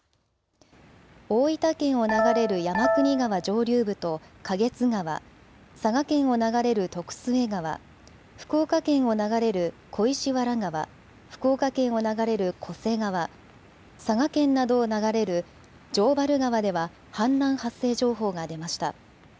大分県を流れる山国川上流部と花月川、佐賀県を流れる徳須恵川、福岡県を流れる小石原川、福岡県を流れる巨瀬川、佐賀県などを流れる城原川では氾濫発生情報が出ました。